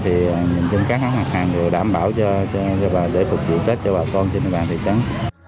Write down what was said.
thì nhìn chung các mặt hàng đảm bảo cho bà để phục vụ tết cho bà con trên địa bàn thị trấn